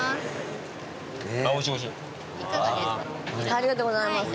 ありがとうございます。